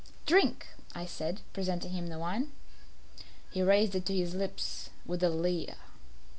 "Drink," I said, presenting him the wine. He raised it to his lips with a leer.